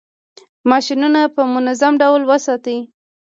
ماشینونه په منظم ډول وساتئ.